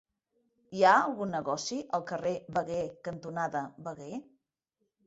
Hi ha algun negoci al carrer Veguer cantonada Veguer?